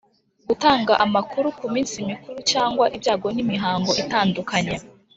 gutanga amakuru ku minsi mikuru cyangwa ibyago n‘imihango itandukanye